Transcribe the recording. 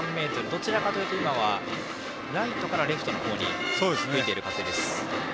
どちらかというと今はライトからレフトに吹いている風。